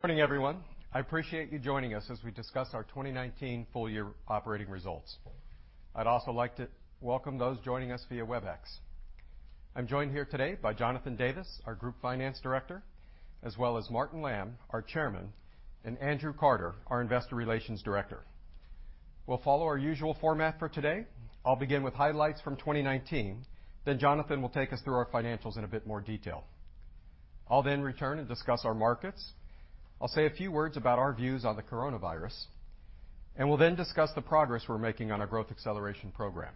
Morning, everyone. I appreciate you joining us as we discuss our 2019 full year operating results. I'd also like to welcome those joining us via Webex. I'm joined here today by Jonathan Davis, our Group Finance Director, as well as Martin Lamb, our Chairman, and Andrew Carter, our Investor Relations Director. We'll follow our usual format for today. I'll begin with highlights from 2019, then Jonathan will take us through our financials in a bit more detail. I'll then return and discuss our markets. I'll say a few words about our views on the coronavirus, and will then discuss the progress we're making on our Growth Acceleration Programme.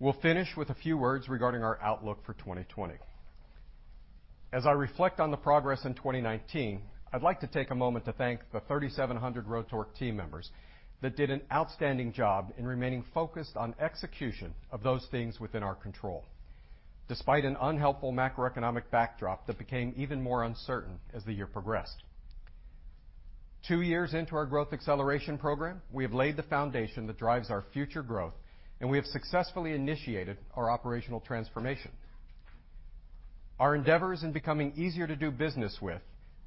We'll finish with a few words regarding our outlook for 2020. As I reflect on the progress in 2019, I'd like to take a moment to thank the 3,700 Rotork team members that did an outstanding job in remaining focused on execution of those things within our control, despite an unhelpful macroeconomic backdrop that became even more uncertain as the year progressed. Two years into our Growth Acceleration Programme, we have laid the foundation that drives our future growth, and we have successfully initiated our operational transformation. Our endeavors in becoming easier to do business with,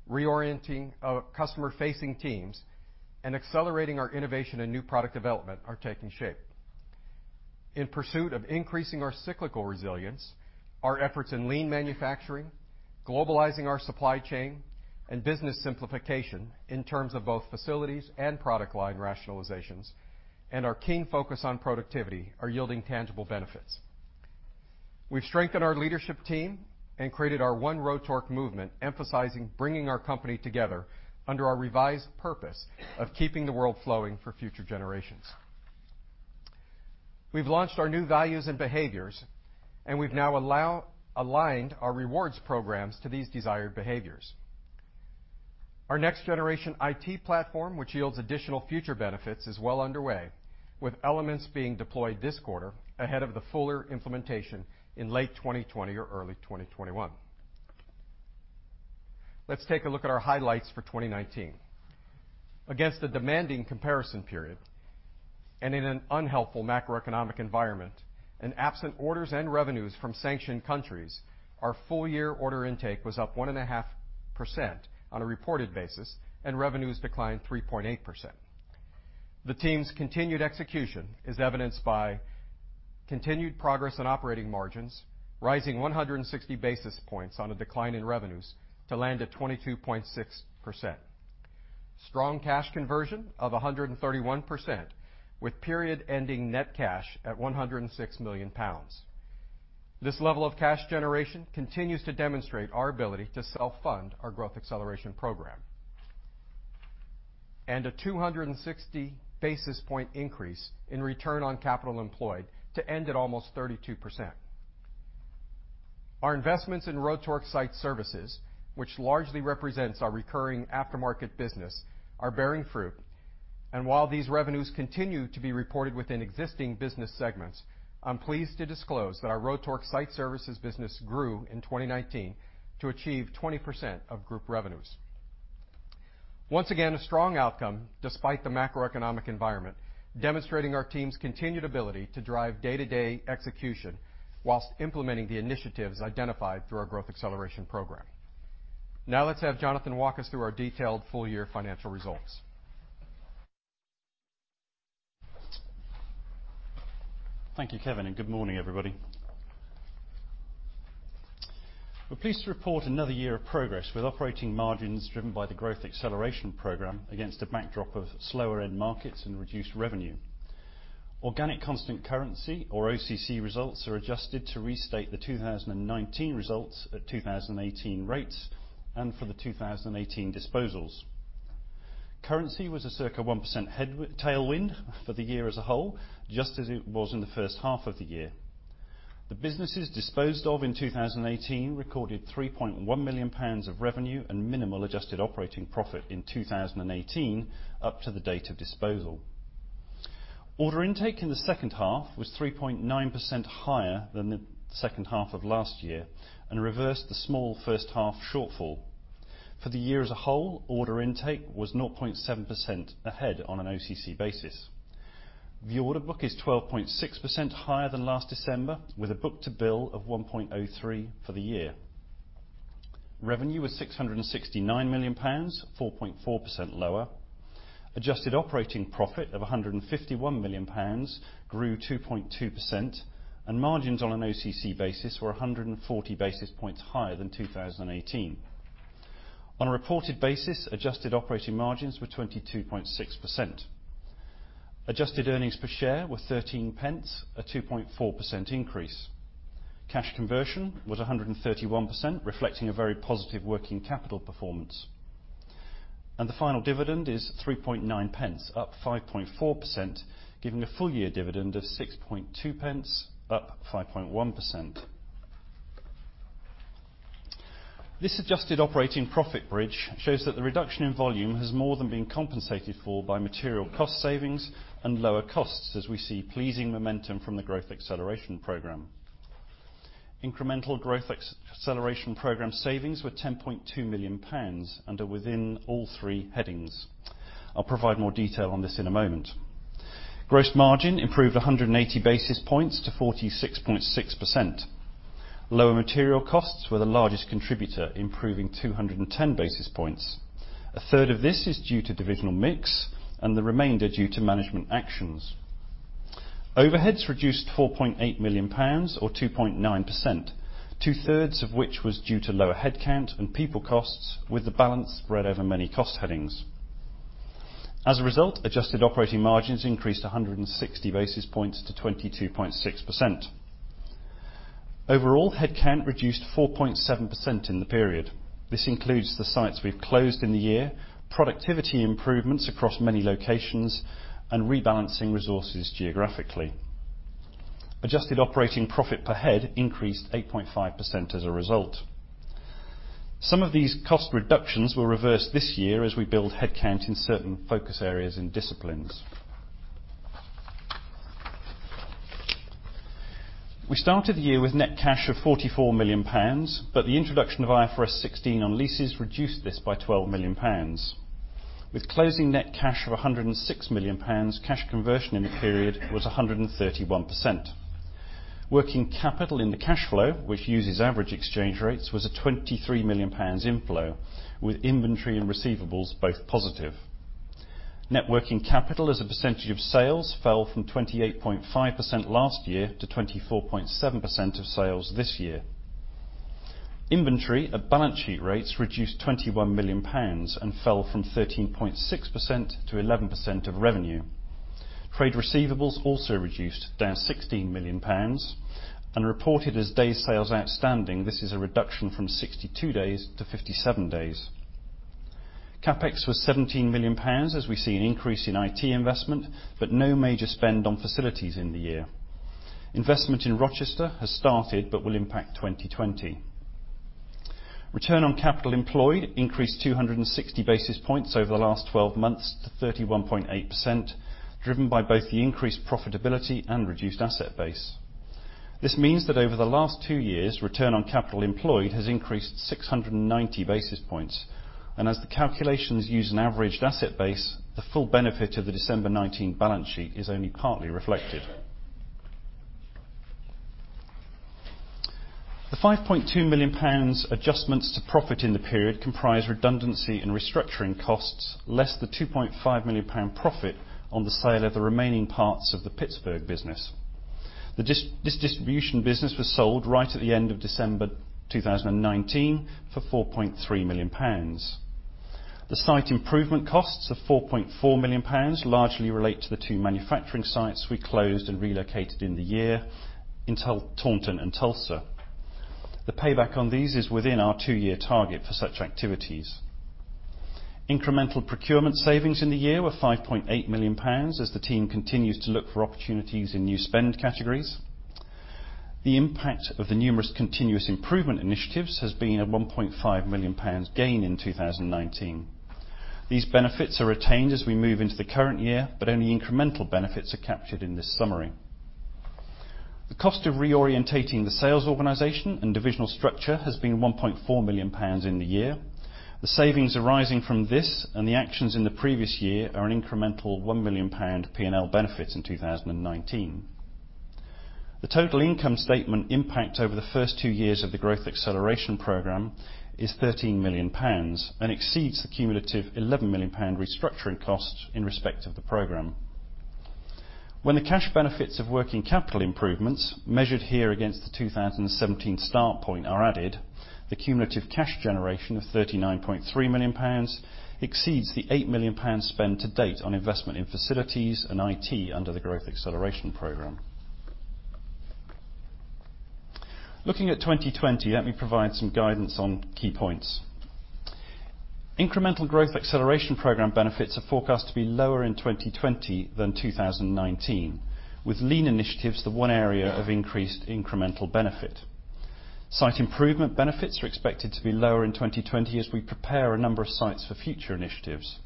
reorienting our customer-facing teams, and accelerating our innovation and new product development are taking shape. In pursuit of increasing our cyclical resilience, our efforts in lean manufacturing, globalizing our supply chain, and business simplification in terms of both facilities and product line rationalizations, and our keen focus on productivity are yielding tangible benefits. We've strengthened our leadership team and created our One Rotork movement, emphasizing bringing our company together under our revised purpose of keeping the world flowing for future generations. We've launched our new values and behaviors, and we've now aligned our rewards programs to these desired behaviors. Our next generation IT platform, which yields additional future benefits, is well underway, with elements being deployed this quarter ahead of the fuller implementation in late 2020 or early 2021. Let's take a look at our highlights for 2019. Against a demanding comparison period and in an unhelpful macroeconomic environment, and absent orders and revenues from sanctioned countries, our full year order intake was up 1.5% on a reported basis, and revenues declined 3.8%. The team's continued execution is evidenced by continued progress on operating margins, rising 160 basis points on a decline in revenues to land at 22.6%. Strong cash conversion of 131%, with period ending net cash at 106 million pounds. A 260 basis point increase in Return on Capital Employed to end at almost 32%. Our investments in Rotork Site Services, which largely represents our recurring aftermarket business, are bearing fruit. While these revenues continue to be reported within existing business segments, I'm pleased to disclose that our Rotork Site Services business grew in 2019 to achieve 20% of group revenues. Once again, a strong outcome despite the macroeconomic environment, demonstrating our team's continued ability to drive day-to-day execution whilst implementing the initiatives identified through our Growth Acceleration Programme. Now let's have Jonathan walk us through our detailed full year financial results. Thank you, Kevin, and good morning, everybody. We're pleased to report another year of progress with operating margins driven by the Growth Acceleration Programme against a backdrop of slower end markets and reduced revenue. Organic constant currency, or OCC results, are adjusted to restate the 2019 results at 2018 rates and for the 2018 disposals. Currency was a circa 1% tailwind for the year as a whole, just as it was in the first half of the year. The businesses disposed of in 2018 recorded GBP 3.1 million of revenue and minimal adjusted operating profit in 2018 up to the date of disposal. Order intake in the second half was 3.9% higher than the second half of last year, and reversed the small first half shortfall. For the year as a whole, order intake was 0.7% ahead on an OCC basis. The order book is 12.6% higher than last December, with a book-to-bill of 1.03 for the year. Revenue was 669 million pounds, 4.4% lower. Adjusted operating profit of 151 million pounds grew 2.2%. Margins on an OCC basis were 140 basis points higher than 2018. On a reported basis, adjusted operating margins were 22.6%. Adjusted earnings per share were 0.13, a 2.4% increase. Cash conversion was 131%, reflecting a very positive working capital performance. The final dividend is 0.039, up 5.4%, giving a full year dividend of 0.062, up 5.1%. This adjusted operating profit bridge shows that the reduction in volume has more than been compensated for by material cost savings and lower costs, as we see pleasing momentum from the Growth Acceleration Programme. Incremental Growth Acceleration Programme savings were 10.2 million pounds and are within all three headings. I'll provide more detail on this in a moment. Gross margin improved 180 basis points to 46.6%. Lower material costs were the largest contributor, improving 210 basis points. A third of this is due to divisional mix, and the remainder due to management actions. Overheads reduced 4.8 million pounds or 2.9%, two-thirds of which was due to lower headcount and people costs, with the balance spread over many cost headings. As a result, adjusted operating margins increased 160 basis points to 22.6%. Overall, headcount reduced 4.7% in the period. This includes the sites we've closed in the year, productivity improvements across many locations, and rebalancing resources geographically. Adjusted operating profit per head increased 8.5% as a result. Some of these cost reductions will reverse this year as we build headcount in certain focus areas and disciplines. We started the year with net cash of 44 million pounds, but the introduction of IFRS 16 on leases reduced this by 12 million pounds. With closing net cash of 106 million pounds, cash conversion in the period was 131%. Working capital in the cash flow, which uses average exchange rates, was a 23 million pounds inflow, with inventory and receivables both positive. Net working capital as a percentage of sales fell from 28.5% last year to 24.7% of sales this year. Inventory at balance sheet rates reduced 21 million pounds and fell from 13.6% to 11% of revenue. Trade receivables also reduced, down 16 million pounds and reported as Days Sales Outstanding. This is a reduction from 62 days to 57 days. CapEx was 17 million pounds, as we see an increase in IT investment, but no major spend on facilities in the year. Investment in Rochester has started but will impact 2020. Return on Capital Employed increased 260 basis points over the last 12 months to 31.8%, driven by both the increased profitability and reduced asset base. This means that over the last two years, Return on Capital Employed has increased 690 basis points, and as the calculations use an averaged asset base, the full benefit of the December 2019 balance sheet is only partly reflected. The 5.2 million pounds adjustments to profit in the period comprise redundancy and restructuring costs, less the 2.5 million pound profit on the sale of the remaining parts of the Pittsburgh business. This distribution business was sold right at the end of December 2019 for 4.3 million pounds. The site improvement costs of 4.4 million pounds largely relate to the two manufacturing sites we closed and relocated in the year in Taunton and Tulsa. The payback on these is within our two-year target for such activities. Incremental procurement savings in the year were 5.8 million pounds, as the team continues to look for opportunities in new spend categories. The impact of the numerous continuous improvement initiatives has been a 1.5 million pounds gain in 2019. These benefits are retained as we move into the current year, but only incremental benefits are captured in this summary. The cost of reorientating the sales organization and divisional structure has been 1.4 million pounds in the year. The savings arising from this and the actions in the previous year are an incremental 1 million pound P&L benefits in 2019. The total income statement impact over the first two years of the Growth Acceleration Programme is 13 million pounds and exceeds the cumulative 11 million pound restructuring costs in respect of the program. When the cash benefits of working capital improvements measured here against the 2017 start point are added, the cumulative cash generation of 39.3 million pounds exceeds the 8 million pounds spent to date on investment in facilities and IT under the Growth Acceleration Programme. Looking at 2020, let me provide some guidance on key points. Incremental Growth Acceleration Programme benefits are forecast to be lower in 2020 than 2019, with lean initiatives the one area of increased incremental benefit. Site improvement benefits are expected to be lower in 2020 as we prepare a number of sites for future initiatives.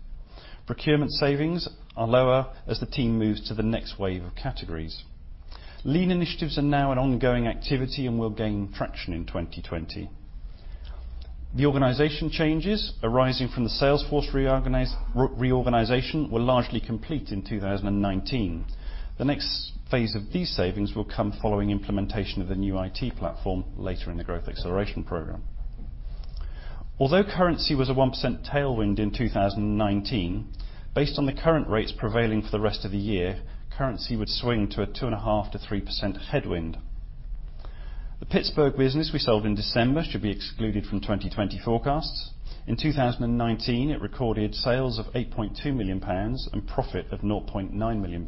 Procurement savings are lower as the team moves to the next wave of categories. Lean initiatives are now an ongoing activity and will gain traction in 2020. The organization changes arising from the sales force reorganization were largely complete in 2019. The next phase of these savings will come following implementation of the new IT platform later in the Growth Acceleration Programme. Although currency was a 1% tailwind in 2019, based on the current rates prevailing for the rest of the year, currency would swing to a 2.5%-3% headwind. The Pittsburgh business we sold in December should be excluded from 2020 forecasts. In 2019, it recorded sales of GBP 8.2 million and profit of GBP 0.9 million.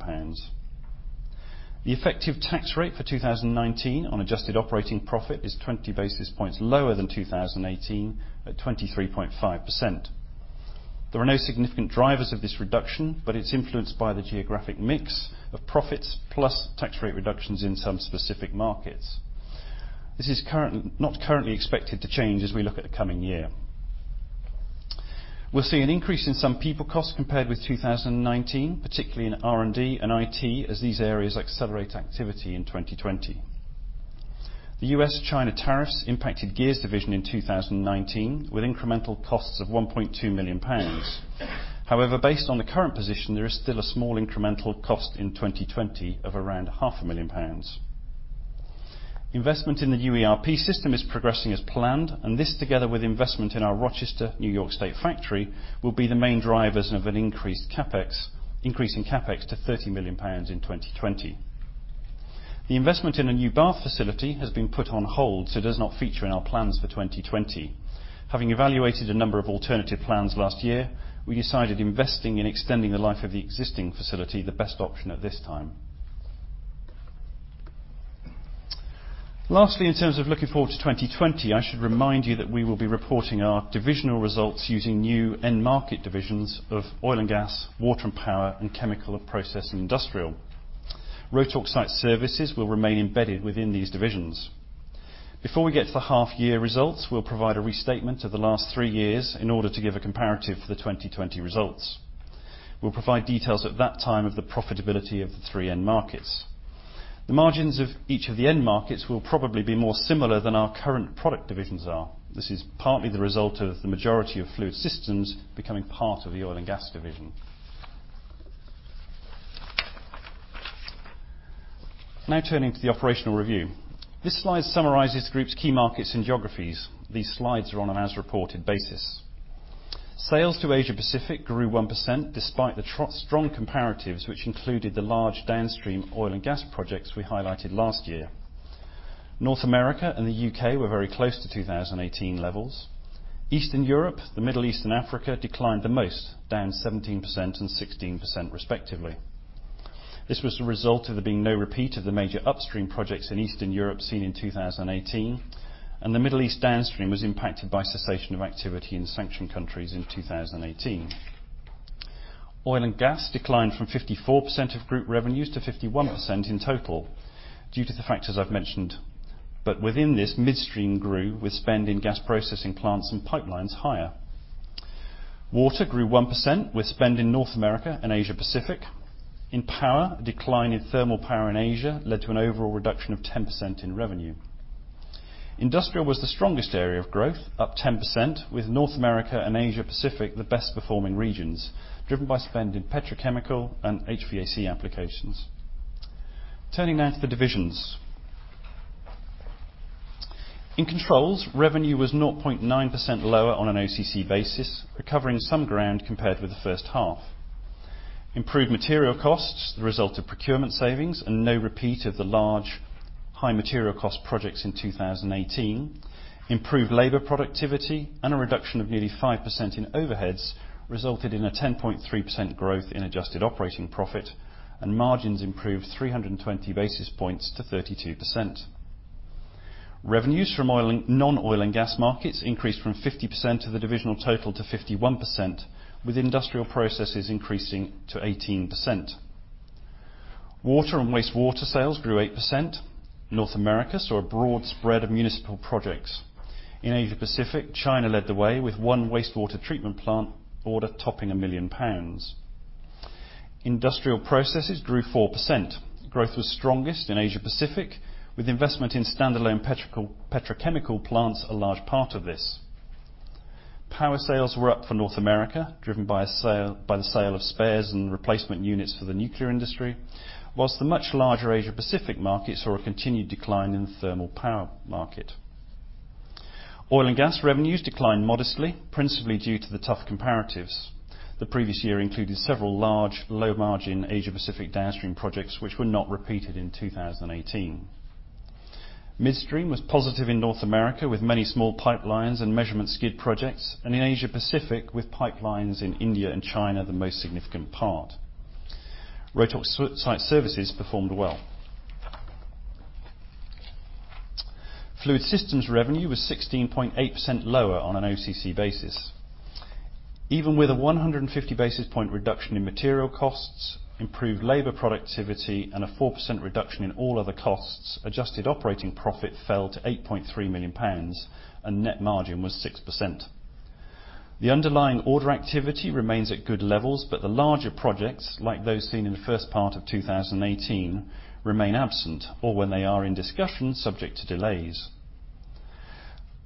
The effective tax rate for 2019 on adjusted operating profit is 20 basis points lower than 2018 at 23.5%. There are no significant drivers of this reduction, but it's influenced by the geographic mix of profits plus tax rate reductions in some specific markets. This is not currently expected to change as we look at the coming year. We'll see an increase in some people costs compared with 2019, particularly in R&D and IT, as these areas accelerate activity in 2020. The U.S.-China tariffs impacted Gears Division in 2019 with incremental costs of 1.2 million pounds. Based on the current position, there is still a small incremental cost in 2020 of around 500,000 pounds. Investment in the ERP system is progressing as planned, this together with investment in our Rochester, New York State factory, will be the main drivers of an increasing CapEx to 30 million pounds in 2020. The investment in a new Bath facility has been put on hold, does not feature in our plans for 2020. Having evaluated a number of alternative plans last year, we decided investing in extending the life of the existing facility the best option at this time. Lastly, in terms of looking forward to 2020, I should remind you that we will be reporting our divisional results using new end market divisions of Oil & Gas, Water and Power, and Chemical and Process and Industrial. Rotork Site Services will remain embedded within these divisions. Before we get to the half year results, we'll provide a restatement of the last three years in order to give a comparative for the 2020 results. We'll provide details at that time of the profitability of the three end markets. The margins of each of the end markets will probably be more similar than our current product divisions are. This is partly the result of the majority of Fluid Systems becoming part of the Oil & Gas division. Turning to the operational review. This slide summarizes Group's key markets and geographies. These slides are on an as reported basis. Sales to Asia Pacific grew 1% despite the strong comparatives, which included the large downstream Oil & Gas projects we highlighted last year. North America and the U.K. were very close to 2018 levels. Eastern Europe, the Middle East and Africa declined the most, down 17% and 16% respectively. This was the result of there being no repeat of the major upstream projects in Eastern Europe seen in 2018, and the Middle East downstream was impacted by cessation of activity in sanction countries in 2018. Oil & Gas declined from 54% of group revenues to 51% in total due to the factors I've mentioned. Within this, midstream grew with spend in gas processing plants and pipelines higher. Water grew 1% with spend in North America and Asia Pacific. In power, a decline in thermal power in Asia led to an overall reduction of 10% in revenue. Industrial was the strongest area of growth, up 10%, with North America and Asia Pacific the best performing regions, driven by spend in petrochemical and HVAC applications. Turning now to the divisions. In Controls, revenue was 0.9% lower on an OCC basis, recovering some ground compared with the first half. Improved material costs, the result of procurement savings and no repeat of the large high material cost projects in 2018, improved labor productivity and a reduction of nearly 5% in overheads resulted in a 10.3% growth in adjusted operating profit, and margins improved 320 basis points to 32%. Revenues from non-oil and gas markets increased from 50% of the divisional total to 51%, with industrial processes increasing to 18%. Water and wastewater sales grew 8%. North America saw a broad spread of municipal projects. In Asia Pacific, China led the way with one wastewater treatment plant order topping 1 million pounds. Industrial processes grew 4%. Growth was strongest in Asia Pacific with investment in standalone petrochemical plants, a large part of this. Power sales were up for North America, driven by the sale of spares and replacement units for the nuclear industry. Whilst the much larger Asia Pacific markets saw a continued decline in the thermal power market. Oil & Gas revenues declined modestly, principally due to the tough comparatives. The previous year included several large low-margin Asia Pacific downstream projects, which were not repeated in 2018. Midstream was positive in North America with many small pipelines and measurement skid projects, and in Asia Pacific with pipelines in India and China, the most significant part. Rotork Site Services performed well. Fluid Systems revenue was 16.8% lower on an OCC basis. Even with a 150 basis point reduction in material costs, improved labor productivity and a 4% reduction in all other costs, adjusted operating profit fell to 8.3 million pounds and net margin was 6%. The underlying order activity remains at good levels, but the larger projects like those seen in the first part of 2018 remain absent, or when they are in discussion, subject to delays.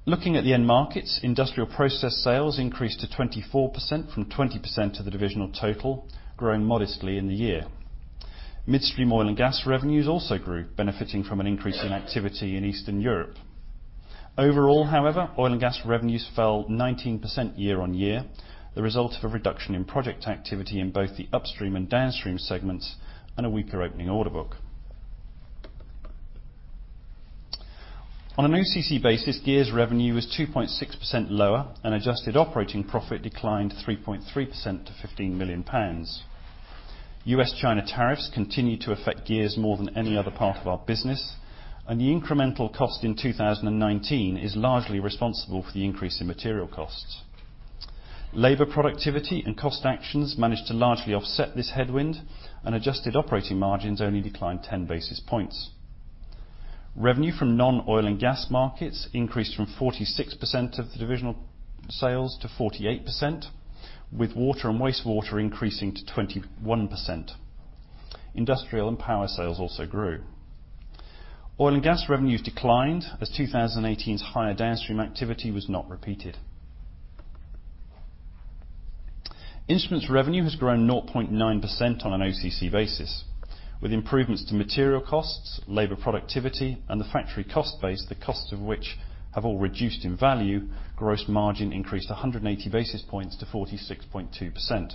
Looking at the end markets, industrial process sales increased to 24% from 20% of the divisional total, growing modestly in the year. Midstream Oil & Gas revenues also grew, benefiting from an increase in activity in Eastern Europe. Overall, however, Oil & Gas revenues fell 19% year-on-year, the result of a reduction in project activity in both the upstream and downstream segments and a weaker opening order book. On an OCC basis, Gears revenue was 2.6% lower, and adjusted operating profit declined 3.3% to 15 million pounds. US-China tariffs continue to affect Gears more than any other part of our business, and the incremental cost in 2019 is largely responsible for the increase in material costs. Labor productivity and cost actions managed to largely offset this headwind, and adjusted operating margins only declined 10 basis points. Revenue from non-oil and gas markets increased from 46% of the divisional sales to 48%, with water and wastewater increasing to 21%. Industrial and power sales also grew. Oil & Gas revenues declined as 2018's higher downstream activity was not repeated. Instruments revenue has grown 0.9% on an OCC basis, with improvements to material costs, labor productivity and the factory cost base, the costs of which have all reduced in value, gross margin increased 180 basis points to 46.2%.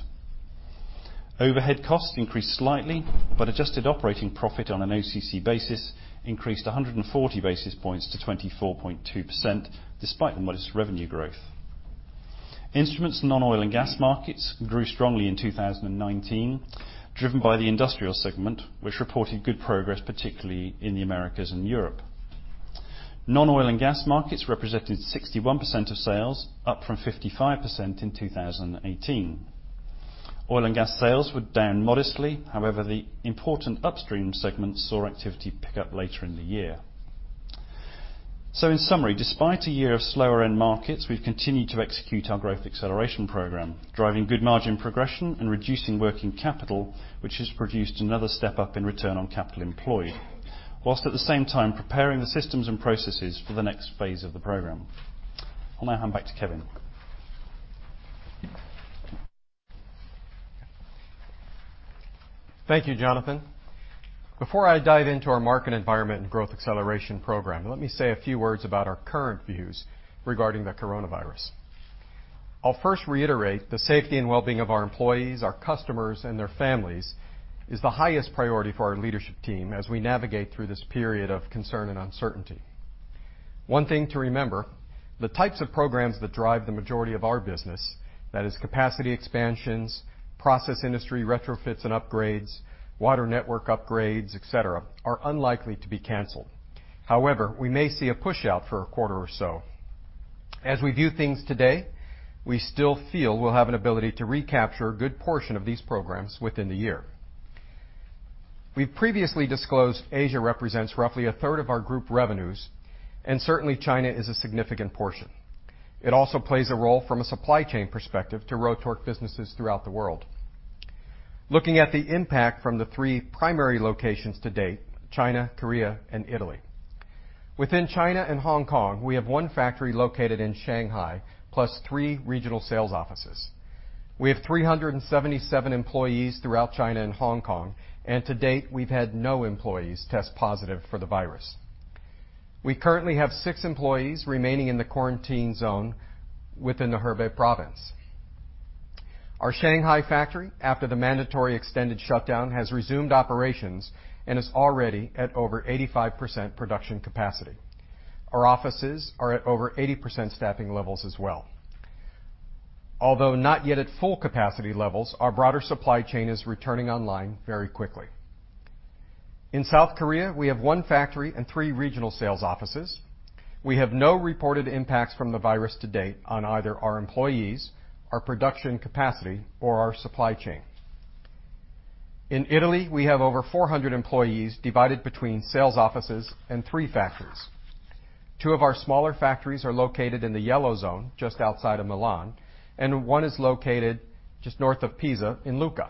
Overhead costs increased slightly, but adjusted operating profit on an OCC basis increased 140 basis points to 24.2%, despite modest revenue growth. Instruments non-oil and gas markets grew strongly in 2019, driven by the industrial segment, which reported good progress, particularly in the Americas and Europe. Non-oil and gas markets represented 61% of sales, up from 55% in 2018. Oil & Gas sales were down modestly, however, the important upstream segment saw activity pick up later in the year. In summary, despite a year of slower end markets, we've continued to execute our Growth Acceleration Programme, driving good margin progression and reducing working capital, which has produced another step up in Return on Capital Employed, whilst at the same time preparing the systems and processes for the next phase of the program. I'll now hand back to Kevin. Thank you, Jonathan. Before I dive into our market environment and Growth Acceleration Programme, let me say a few words about our current views regarding the coronavirus. I'll first reiterate the safety and wellbeing of our employees, our customers, and their families is the highest priority for our leadership team as we navigate through this period of concern and uncertainty. One thing to remember, the types of programs that drive the majority of our business, that is capacity expansions, process industry retrofits and upgrades, water network upgrades, et cetera, are unlikely to be canceled. However, we may see a push-out for a quarter or so. As we view things today, we still feel we'll have an ability to recapture a good portion of these programs within the year. We've previously disclosed Asia represents roughly 1/3 of our group revenues, and certainly China is a significant portion. It also plays a role from a supply chain perspective to Rotork businesses throughout the world. Looking at the impact from the three primary locations to date, China, Korea, and Italy. Within China and Hong Kong, we have one factory located in Shanghai, plus three regional sales offices. We have 377 employees throughout China and Hong Kong, and to date, we've had no employees test positive for the virus. We currently have six employees remaining in the quarantine zone within the Hubei province. Our Shanghai factory, after the mandatory extended shutdown, has resumed operations and is already at over 85% production capacity. Our offices are at over 80% staffing levels as well. Although not yet at full capacity levels, our broader supply chain is returning online very quickly. In South Korea, we have one factory and three regional sales offices. We have no reported impacts from the virus to date on either our employees, our production capacity, or our supply chain. In Italy, we have over 400 employees divided between sales offices and three factories. Two of our smaller factories are located in the yellow zone just outside of Milan, and one is located just north of Pisa in Lucca.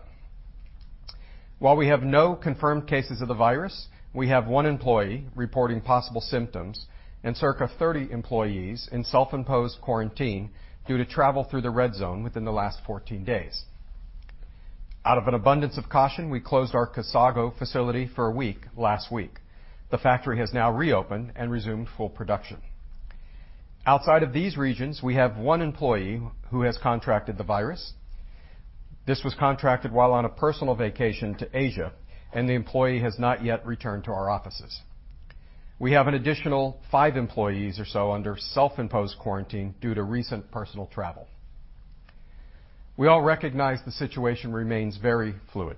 While we have no confirmed cases of the virus, we have one employee reporting possible symptoms and circa 30 employees in self-imposed quarantine due to travel through the red zone within the last 14 days. Out of an abundance of caution, we closed our Cassago facility for a week last week. The factory has now reopened and resumed full production. Outside of these regions, we have one employee who has contracted the virus. This was contracted while on a personal vacation to Asia, and the employee has not yet returned to our offices. We have an additional five employees or so under self-imposed quarantine due to recent personal travel. We all recognize the situation remains very fluid.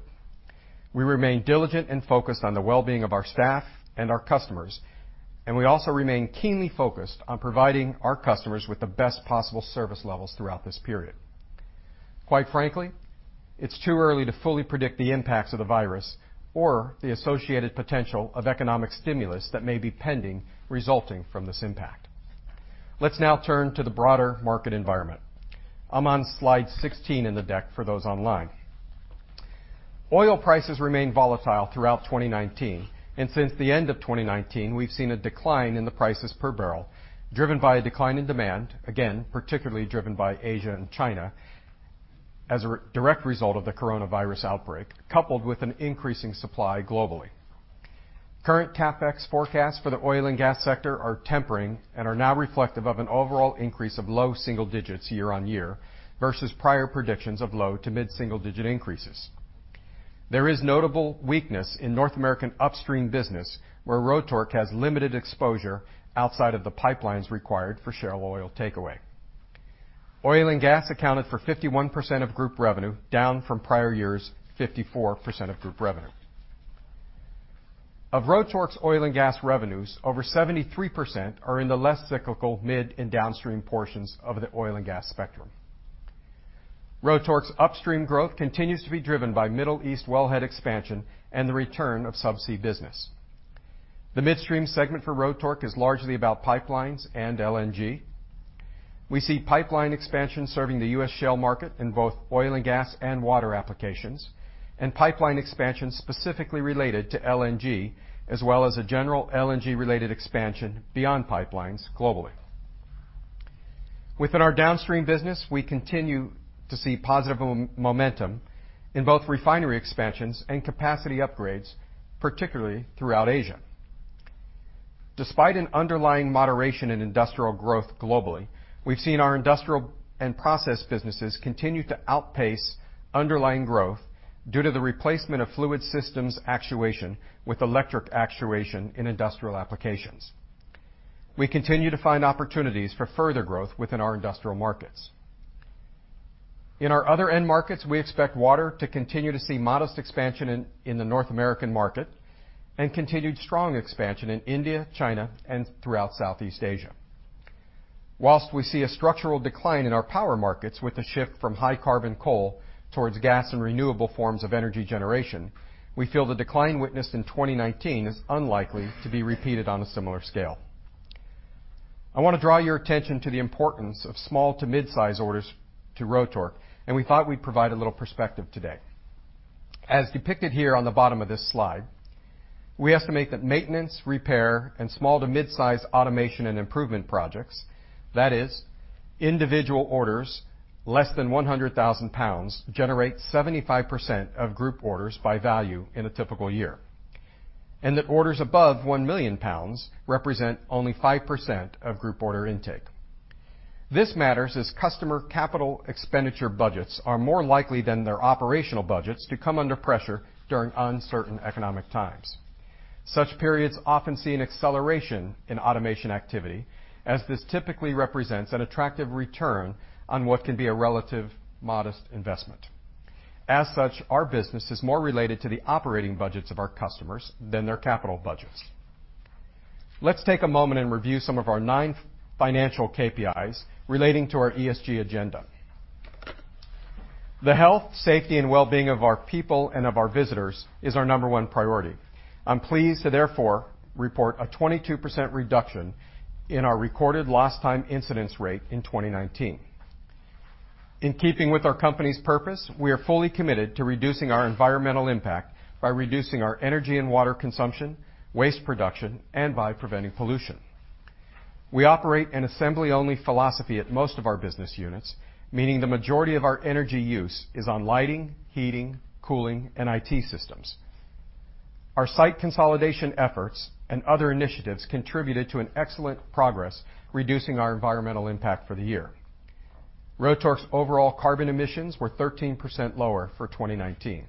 We remain diligent and focused on the wellbeing of our staff and our customers, and we also remain keenly focused on providing our customers with the best possible service levels throughout this period. Quite frankly, it's too early to fully predict the impacts of the virus or the associated potential of economic stimulus that may be pending resulting from this impact. Let's now turn to the broader market environment. I'm on slide 16 in the deck for those online. Oil prices remained volatile throughout 2019. Since the end of 2019, we've seen a decline in the prices per barrel, driven by a decline in demand, again, particularly driven by Asia and China as a direct result of the coronavirus outbreak, coupled with an increasing supply globally. Current CapEx forecasts for the Oil & Gas sector are tempering and are now reflective of an overall increase of low single digits year-on-year, versus prior predictions of low to mid single digit increases. There is notable weakness in North American upstream business, where Rotork has limited exposure outside of the pipelines required for shale oil takeaway. Oil & Gas accounted for 51% of group revenue, down from prior year's 54% of group revenue. Of Rotork's Oil & Gas revenues, over 73% are in the less cyclical mid and downstream portions of the Oil & Gas spectrum. Rotork's upstream growth continues to be driven by Middle East wellhead expansion and the return of subsea business. The midstream segment for Rotork is largely about pipelines and LNG. We see pipeline expansion serving the U.S. shale market in both Oil & Gas and water applications, and pipeline expansion specifically related to LNG, as well as a general LNG-related expansion beyond pipelines globally. Within our downstream business, we continue to see positive momentum in both refinery expansions and capacity upgrades, particularly throughout Asia. Despite an underlying moderation in industrial growth globally, we've seen our industrial and process businesses continue to outpace underlying growth due to the replacement of Fluid Systems actuation with electric actuation in industrial applications. We continue to find opportunities for further growth within our industrial markets. In our other end markets, we expect water to continue to see modest expansion in the North American market and continued strong expansion in India, China, and throughout Southeast Asia. Whilst we see a structural decline in our power markets with the shift from high carbon coal towards gas and renewable forms of energy generation, we feel the decline witnessed in 2019 is unlikely to be repeated on a similar scale. I want to draw your attention to the importance of small to mid-size orders to Rotork, and we thought we'd provide a little perspective today. As depicted here on the bottom of this slide, we estimate that maintenance, repair, and small to mid-size automation and improvement projects, that is, individual orders less than 100,000 pounds, generate 75% of group orders by value in a typical year, and that orders above 1 million pounds represent only 5% of group order intake. This matters as customer CapEx budgets are more likely than their operational budgets to come under pressure during uncertain economic times. Such periods often see an acceleration in automation activity, as this typically represents an attractive return on what can be a relative modest investment. Our business is more related to the operating budgets of our customers than their capital budgets. Let's take a moment and review some of our nine financial KPIs relating to our ESG agenda. The health, safety, and well-being of our people and of our visitors is our number one priority. I'm pleased to therefore report a 22% reduction in our recorded lost time incidence rate in 2019. In keeping with our company's purpose, we are fully committed to reducing our environmental impact by reducing our energy and water consumption, waste production, and by preventing pollution. We operate an assembly-only philosophy at most of our business units, meaning the majority of our energy use is on lighting, heating, cooling, and IT systems. Our site consolidation efforts and other initiatives contributed to an excellent progress, reducing our environmental impact for the year. Rotork's overall carbon emissions were 13% lower for 2019.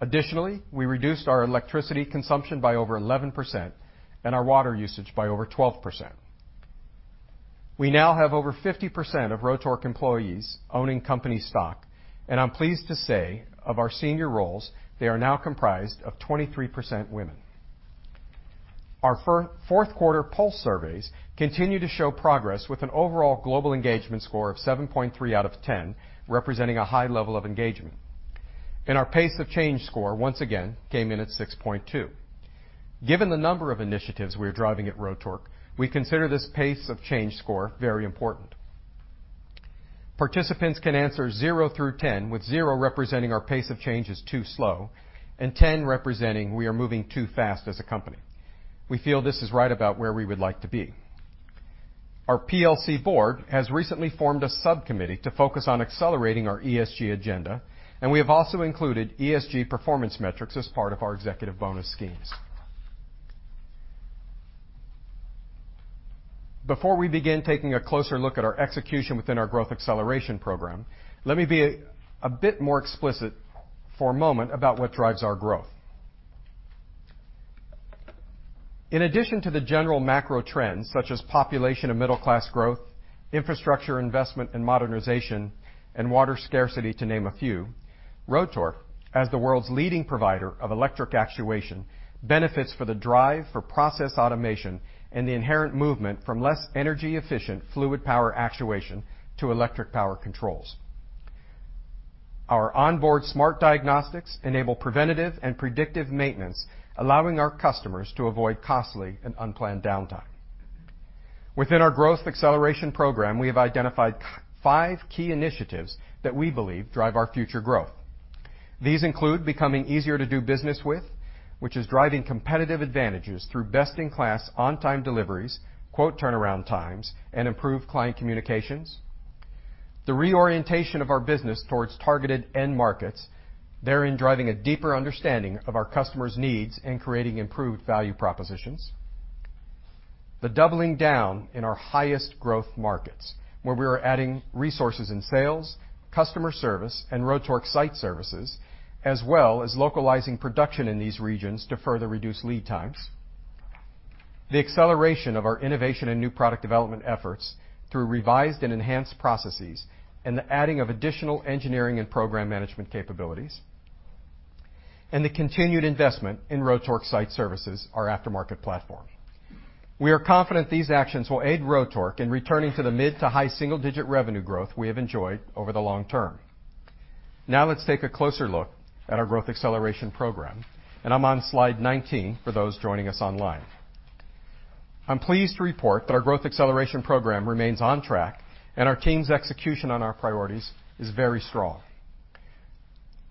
Additionally, we reduced our electricity consumption by over 11% and our water usage by over 12%. We now have over 50% of Rotork employees owning company stock, and I'm pleased to say, of our senior roles, they are now comprised of 23% women. Our fourth quarter pulse surveys continue to show progress with an overall global engagement score of 7.3 out of 10, representing a high level of engagement, and our pace of change score, once again, came in at 6.2. Given the number of initiatives we are driving at Rotork, we consider this pace of change score very important. Participants can answer zero through 10, with zero representing our pace of change is too slow and 10 representing we are moving too fast as a company. We feel this is right about where we would like to be. Our PLC board has recently formed a subcommittee to focus on accelerating our ESG agenda, and we have also included ESG performance metrics as part of our executive bonus schemes. Before we begin taking a closer look at our execution within our Growth Acceleration Programme, let me be a bit more explicit for a moment about what drives our growth. In addition to the general macro trends such as population and middle-class growth, infrastructure investment and modernization, and water scarcity, to name a few, Rotork, as the world's leading provider of electric actuation, benefits for the drive for process automation and the inherent movement from less energy-efficient fluid power actuation to electric power controls. Our onboard smart diagnostics enable preventative and predictive maintenance, allowing our customers to avoid costly and unplanned downtime. Within our Growth Acceleration Programme, we have identified five key initiatives that we believe drive our future growth. These include becoming easier to do business with, which is driving competitive advantages through best-in-class on-time deliveries, quote turnaround times, and improved client communications. The reorientation of our business towards targeted end markets, therein driving a deeper understanding of our customers' needs and creating improved value propositions. The doubling down in our highest growth markets, where we are adding resources in sales, customer service, and Rotork Site Services, as well as localizing production in these regions to further reduce lead times. The acceleration of our innovation and new product development efforts through revised and enhanced processes and the adding of additional engineering and program management capabilities. The continued investment in Rotork Site Services, our aftermarket platform. We are confident these actions will aid Rotork in returning to the mid to high single-digit revenue growth we have enjoyed over the long term. Let's take a closer look at our Growth Acceleration Programme. I'm on slide 19 for those joining us online. I'm pleased to report that our Growth Acceleration Programme remains on track, and our team's execution on our priorities is very strong.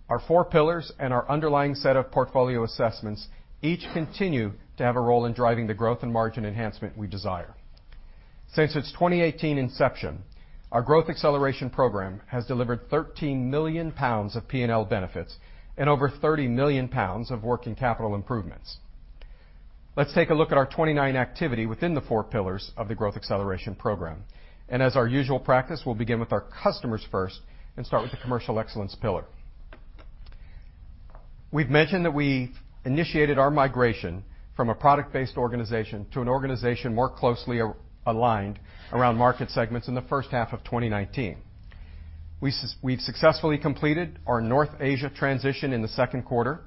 Our four pillars and our underlying set of portfolio assessments each continue to have a role in driving the growth and margin enhancement we desire. Since its 2018 inception, our Growth Acceleration Programme has delivered 13 million pounds of P&L benefits and over 30 million pounds of working capital improvements. Let's take a look at our 2019 activity within the four pillars of the Growth Acceleration Programme. As our usual practice, we'll begin with our customers first and start with the Commercial Excellence pillar. We've mentioned that we initiated our migration from a product-based organization to an organization more closely aligned around market segments in the first half of 2019. We've successfully completed our North Asia transition in the second quarter,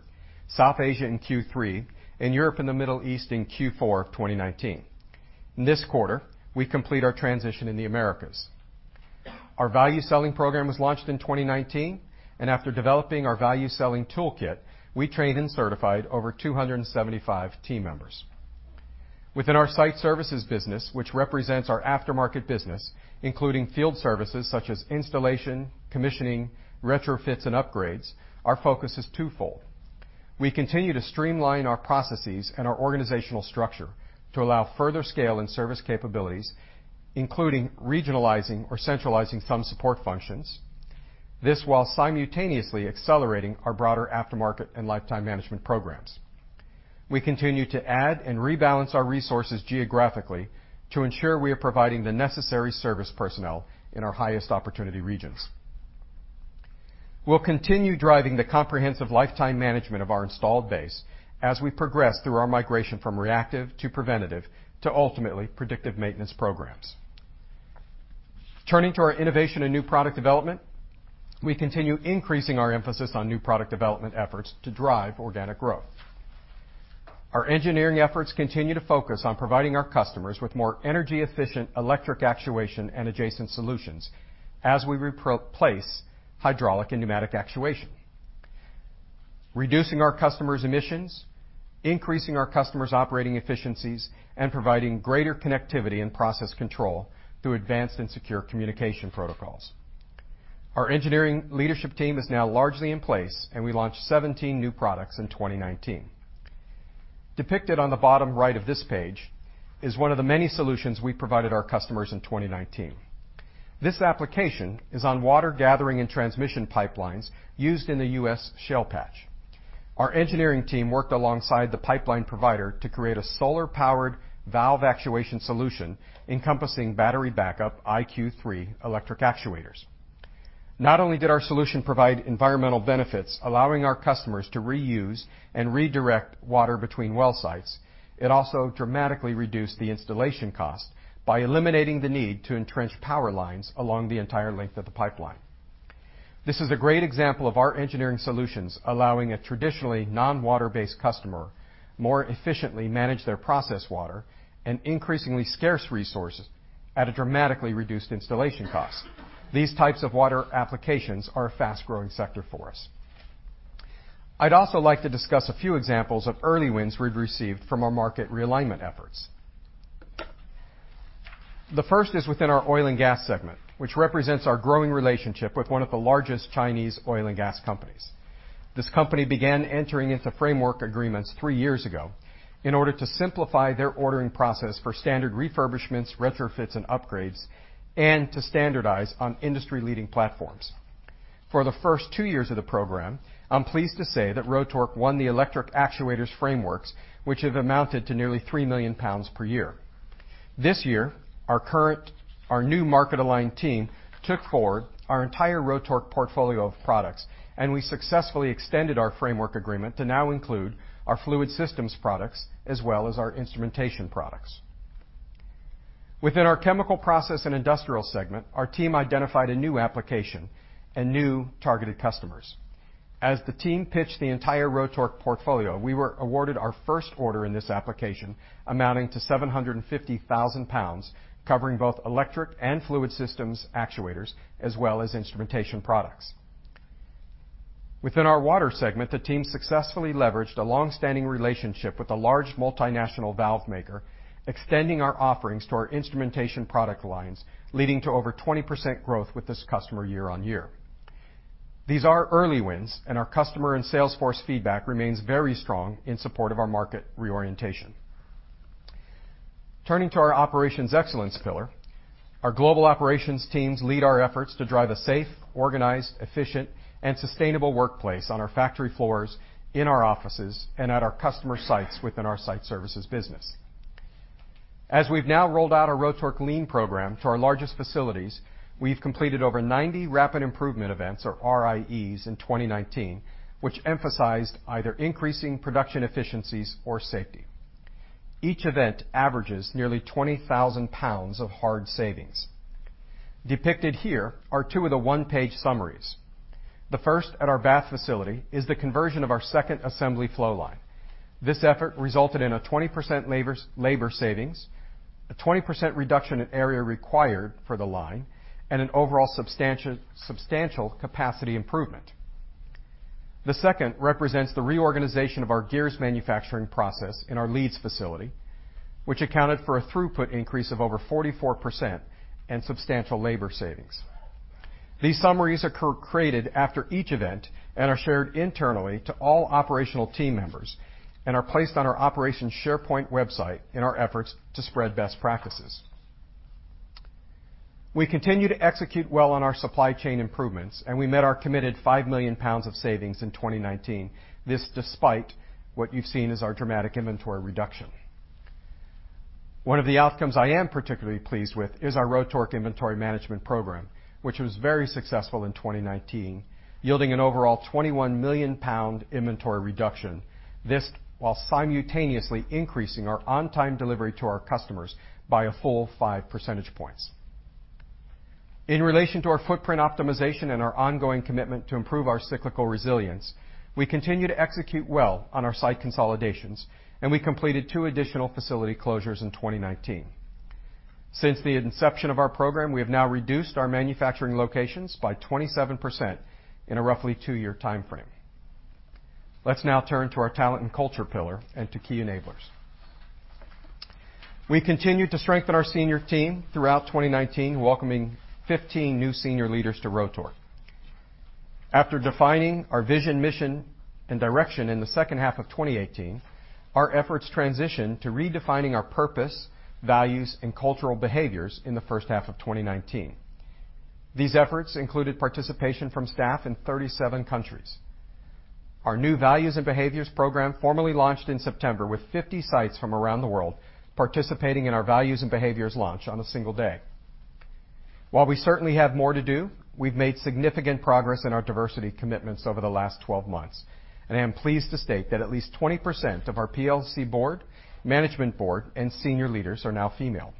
South Asia in Q3, and Europe and the Middle East in Q4 of 2019. In this quarter, we complete our transition in the Americas. Our Value Selling program was launched in 2019, and after developing our Value Selling toolkit, we trained and certified over 275 team members. Within our Site Services business, which represents our aftermarket business, including field services such as installation, commissioning, retrofits, and upgrades, our focus is twofold. We continue to streamline our processes and our organizational structure to allow further scale in service capabilities, including regionalizing or centralizing some support functions. This while simultaneously accelerating our broader aftermarket and lifetime management programs. We continue to add and rebalance our resources geographically to ensure we are providing the necessary service personnel in our highest opportunity regions. We'll continue driving the comprehensive lifetime management of our installed base as we progress through our migration from reactive to preventative to ultimately predictive maintenance programs. Turning to our innovation and new product development, we continue increasing our emphasis on new product development efforts to drive organic growth. Our engineering efforts continue to focus on providing our customers with more energy efficient electric actuation and adjacent solutions as we replace hydraulic and pneumatic actuation, reducing our customers' emissions, increasing our customers' operating efficiencies, and providing greater connectivity and process control through advanced and secure communication protocols. Our engineering leadership team is now largely in place. We launched 17 new products in 2019. Depicted on the bottom right of this page is one of the many solutions we provided our customers in 2019. This application is on water gathering and transmission pipelines used in the U.S. shale patch. Our engineering team worked alongside the pipeline provider to create a solar powered valve actuation solution encompassing battery backup IQ3 electric actuators. Not only did our solution provide environmental benefits allowing our customers to reuse and redirect water between well sites, it also dramatically reduced the installation cost by eliminating the need to entrench power lines along the entire length of the pipeline. This is a great example of our engineering solutions allowing a traditionally non-water-based customer more efficiently manage their processed water, an increasingly scarce resource, at a dramatically reduced installation cost. These types of water applications are a fast-growing sector for us. I'd also like to discuss a few examples of early wins we've received from our market realignment efforts. The first is within our Oil & Gas segment, which represents our growing relationship with one of the largest Chinese Oil & Gas companies. This company began entering into framework agreements three years ago in order to simplify their ordering process for standard refurbishments, retrofits, and upgrades, and to standardize on industry-leading platforms. For the first two years of the program, I'm pleased to say that Rotork won the electric actuators frameworks, which have amounted to nearly 3 million pounds per year. This year, our new market aligned team took forward our entire Rotork portfolio of products, and we successfully extended our framework agreement to now include our Fluid Systems products as well as our Instrumentation products. Within our chemical process and industrial segment, our team identified a new application and new targeted customers. As the team pitched the entire Rotork portfolio, we were awarded our first order in this application, amounting to 750,000 pounds, covering both electric and Fluid Systems actuators, as well as instrumentation products. Within our water segment, the team successfully leveraged a long-standing relationship with a large multinational valve maker, extending our offerings to our instrumentation product lines, leading to over 20% growth with this customer year-on-year. These are early wins. Our customer and sales force feedback remains very strong in support of our market reorientation. Turning to our operations excellence pillar, our global operations teams lead our efforts to drive a safe, organized, efficient, and sustainable workplace on our factory floors, in our offices, and at our customer sites within our Site Services business. As we've now rolled out our Rotork Lean Programme to our largest facilities, we've completed over 90 Rapid Improvement Event, or RIEs, in 2019, which emphasized either increasing production efficiencies or safety. Each event averages nearly 20,000 pounds of hard savings. Depicted here are two of the one-page summaries. The first, at our Bath facility, is the conversion of our second assembly flow line. This effort resulted in a 20% labor savings, a 20% reduction in area required for the line, and an overall substantial capacity improvement. The second represents the reorganization of our gears manufacturing process in our Leeds facility, which accounted for a throughput increase of over 44% and substantial labor savings. These summaries are created after each event and are shared internally to all operational team members and are placed on our operations SharePoint website in our efforts to spread best practices. We continue to execute well on our supply chain improvements, and we met our committed 5 million pounds of savings in 2019. This, despite what you've seen as our dramatic inventory reduction. One of the outcomes I am particularly pleased with is our Rotork Inventory Management program, which was very successful in 2019, yielding an overall 21 million pound inventory reduction, this while simultaneously increasing our on-time delivery to our customers by a full 5 percentage points. In relation to our footprint optimization and our ongoing commitment to improve our cyclical resilience, we continue to execute well on our site consolidations, and we completed two additional facility closures in 2019. Since the inception of our program, we have now reduced our manufacturing locations by 27% in a roughly two-year timeframe. Let's now turn to our talent and culture pillar and to key enablers. We continued to strengthen our senior team throughout 2019, welcoming 15 new senior leaders to Rotork. After defining our vision, mission, and direction in the second half of 2018, our efforts transitioned to redefining our purpose, values, and cultural behaviors in the first half of 2019. These efforts included participation from staff in 37 countries. Our new values and behaviors program formally launched in September with 50 sites from around the world participating in our values and behaviors launch on a single day. While we certainly have more to do, we've made significant progress in our diversity commitments over the last 12 months, and I am pleased to state that at least 20% of our PLC board, management board, and senior leaders are now female.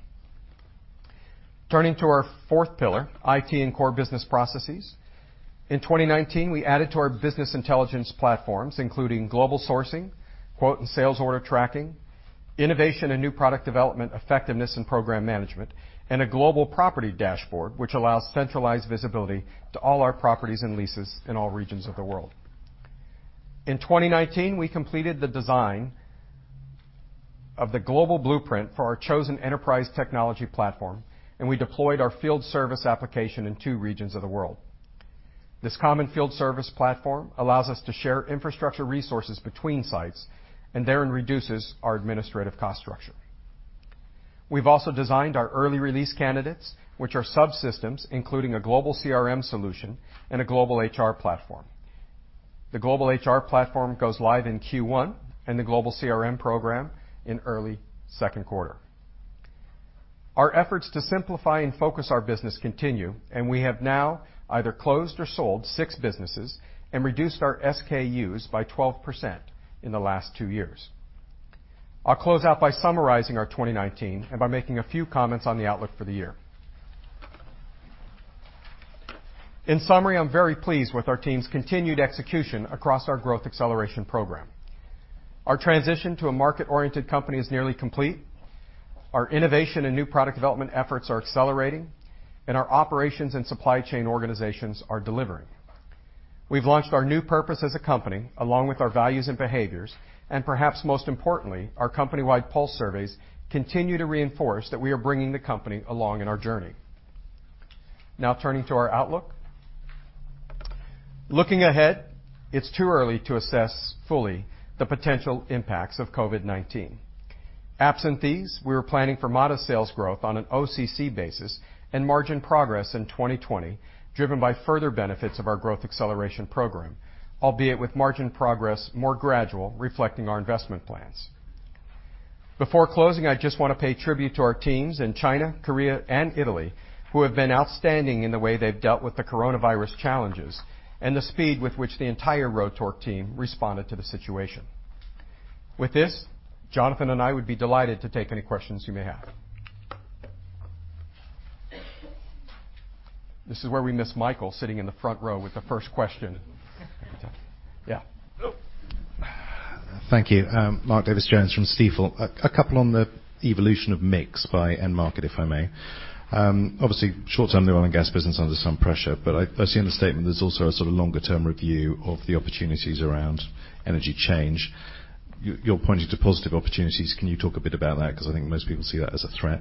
Turning to our fourth pillar, IT and core business processes. In 2019, we added to our business intelligence platforms, including global sourcing, quote and sales order tracking, innovation and new product development effectiveness and program management, and a global property dashboard, which allows centralized visibility to all our properties and leases in all regions of the world. In 2019, we completed the design of the global blueprint for our chosen enterprise technology platform. We deployed our field service application in two regions of the world. This common field service platform allows us to share infrastructure resources between sites and therein reduces our administrative cost structure. We've also designed our early release candidates, which are subsystems including a global CRM solution and a global HR platform. The global HR platform goes live in Q1. The global CRM program in early second quarter. Our efforts to simplify and focus our business continue, and we have now either closed or sold six businesses and reduced our SKUs by 12% in the last two years. I'll close out by summarizing our 2019 and by making a few comments on the outlook for the year. In summary, I'm very pleased with our team's continued execution across our Growth Acceleration Programme. Our transition to a market-oriented company is nearly complete. Our innovation and new product development efforts are accelerating, and our operations and supply chain organizations are delivering. We've launched our new purpose as a company, along with our values and behaviors, and perhaps most importantly, our company-wide pulse surveys continue to reinforce that we are bringing the company along in our journey. Now turning to our outlook. Looking ahead, it's too early to assess fully the potential impacts of COVID-19. Absent these, we were planning for modest sales growth on an OCC basis and margin progress in 2020, driven by further benefits of our Growth Acceleration Programme, albeit with margin progress more gradual, reflecting our investment plans. Before closing, I just want to pay tribute to our teams in China, Korea, and Italy, who have been outstanding in the way they've dealt with the coronavirus challenges and the speed with which the entire Rotork team responded to the situation. With this, Jonathan and I would be delighted to take any questions you may have. This is where we miss Michael sitting in the front row with the first question. Yeah. Thank you. Mark Davies Jones from Stifel. A couple on the evolution of mix by end market, if I may. Obviously, short-term Oil & Gas business under some pressure, but I see in the statement there's also a sort of longer-term review of the opportunities around energy change. You're pointing to positive opportunities. Can you talk a bit about that? Because I think most people see that as a threat.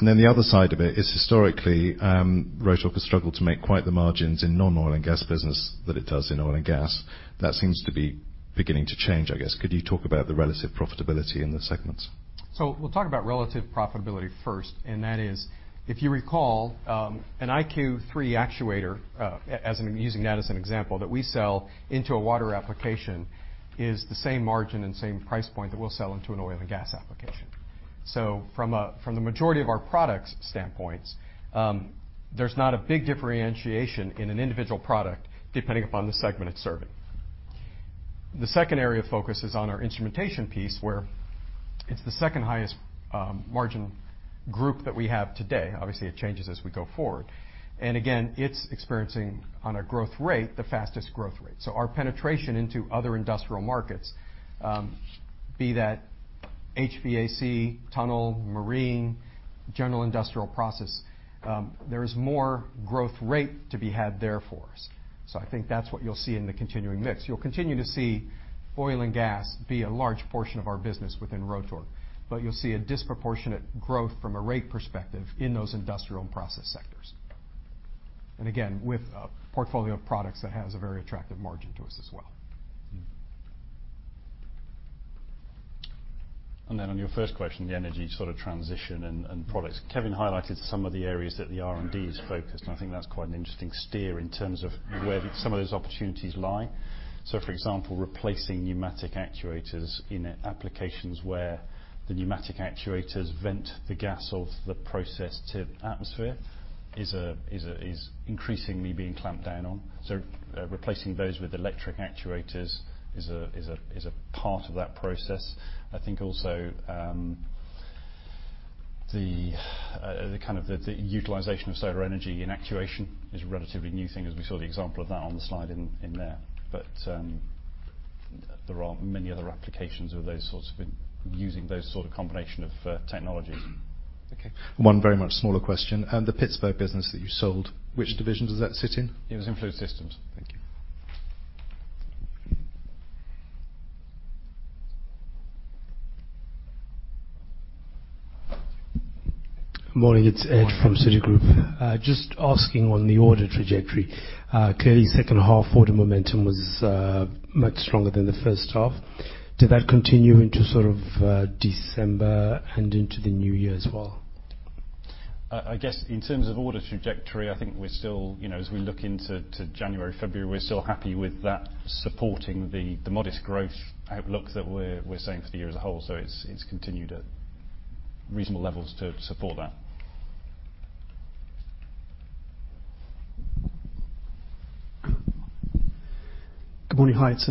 The other side of it is historically, Rotork has struggled to make quite the margins in non-oil-and-gas business that it does in Oil & Gas. That seems to be beginning to change, I guess. Could you talk about the relative profitability in the segments? We'll talk about relative profitability first, and that is, if you recall, an IQ3 actuator, I'm using that as an example, that we sell into a water application is the same margin and same price point that we'll sell into an Oil & Gas application. From the majority of our products standpoints, there's not a big differentiation in an individual product depending upon the segment it's serving. The second area of focus is on our instrumentation piece, where it's the second highest margin group that we have today. Obviously, it changes as we go forward. Again, it's experiencing, on a growth rate, the fastest growth rate. Our penetration into other industrial markets, be that HVAC, tunnel, marine, general industrial process, there is more growth rate to be had there for us. I think that's what you'll see in the continuing mix. You'll continue to see Oil & Gas be a large portion of our business within Rotork. You'll see a disproportionate growth from a rate perspective in those industrial and process sectors, again with a portfolio of products that has a very attractive margin to us as well. On your first question, the energy transition and products, Kevin highlighted some of the areas that the R&D is focused, and I think that's quite an interesting steer in terms of where some of those opportunities lie. For example, replacing pneumatic actuators in applications where the pneumatic actuators vent the gas of the process to atmosphere is increasingly being clamped down on. Replacing those with electric actuators is a part of that process. I think also, the utilization of solar energy in actuation is a relatively new thing, as we saw the example of that on the slide in there. There are many other applications using those sort of combination of technologies. Okay. One very much smaller question. On the Pittsburgh business that you sold, which division does that sit in? It was in Fluid Systems. Thank you. Morning, it's Ed from Citigroup. Just asking on the order trajectory, clearly second half order momentum was much stronger than the first half. Did that continue into December and into the new year as well? I guess in terms of order trajectory, I think as we look into to January, February, we're still happy with that supporting the modest growth outlook that we're saying for the year as a whole. It's continued at reasonable levels to support that. Good morning. Hi, it's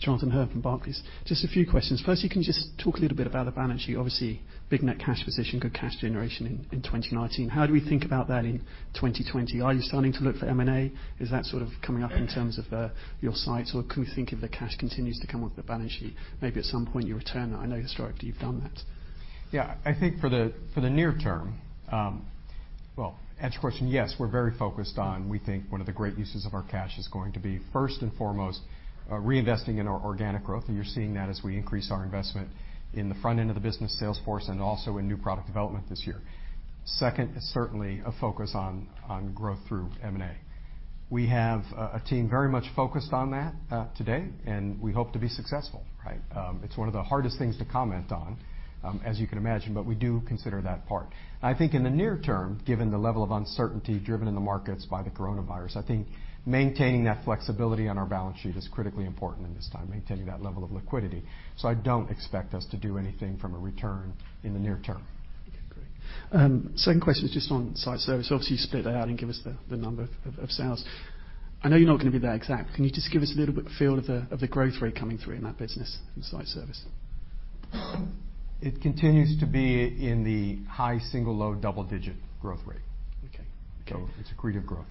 Jonathan Hurn from Barclays. Just a few questions. First, you can just talk a little bit about the balance sheet. Obviously, big net cash position, good cash generation in 2019. How do we think about that in 2020? Are you starting to look for M&A? Is that coming up in terms of your sights, or can we think of the cash continues to come off the balance sheet, maybe at some point you return that? I know historically you've done that. Yeah. I think for the near term Well, to answer your question, yes, we're very focused on, we think one of the great uses of our cash is going to be, first and foremost, reinvesting in our organic growth, and you're seeing that as we increase our investment in the front end of the business sales force and also in new product development this year. Second is certainly a focus on growth through M&A. We have a team very much focused on that today, and we hope to be successful, right? It's one of the hardest things to comment on, as you can imagine, but we do consider that part. I think in the near term, given the level of uncertainty driven in the markets by the coronavirus, I think maintaining that flexibility on our balance sheet is critically important in this time, maintaining that level of liquidity. I don't expect us to do anything from a return in the near term. Okay, great. Second question is just on Site Services. You split it out and give us the number of sales. I know you're not going to be that exact. Can you just give us a little bit of a feel of the growth rate coming through in that business, in Site Services? It continues to be in the high single, low double digit growth rate. Okay. It's a degree of growth.